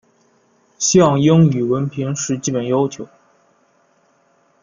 像英语文凭是基本要求。